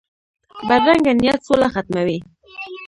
بدرنګه نیت سوله ختموي